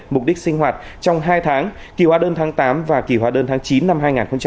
mục đích sinh hoạt trong hai tháng kỳ hóa đơn tháng tám và kỳ hóa đơn tháng chín năm hai nghìn một mươi chín